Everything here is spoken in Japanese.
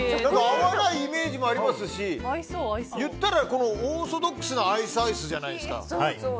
合わないイメージもありますしオーソドックスなアイス、アイスじゃないですか。